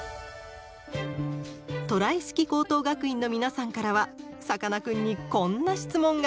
トライ式高等学院の皆さんからはさかなクンにこんな質問が。